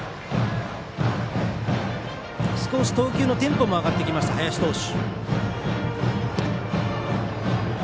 少し投球のテンポも上がってきました林投手。